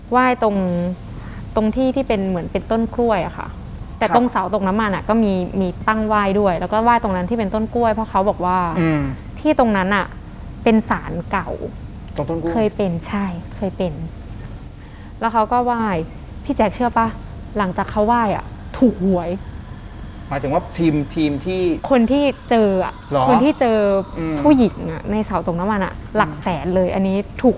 ว่ายตรงตรงที่ที่เป็นเหมือนเป็นต้นกล้วยอะค่ะแต่ตรงเสาตรงน้ำมันอะก็มีมีตั้งว่ายด้วยแล้วก็ว่ายตรงนั้นที่เป็นต้นกล้วยเพราะเขาบอกว่าอืมที่ตรงนั้นอะเป็นสารเก่าตรงต้นกล้วยเคยเป็นใช่เคยเป็นแล้วเขาก็ว่ายพี่แจ็คเชื่อป่ะหลังจากเขาว่ายอะถูกหวยหมายถึงว่าทีมทีมที่คนที่เจออะหรอคนที่เจอผู้หญิ